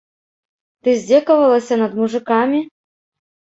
Ты здзекавалася над мужыкамі?